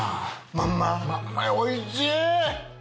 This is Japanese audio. まんまやおいしい！